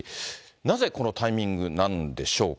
なぜこのタイミングなんでしょうか。